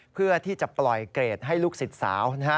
เพื่อที่จะปล่อยเกรดให้ลูกศิษย์สาว